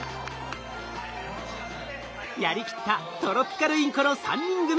やりきったトロピカルインコの３人組。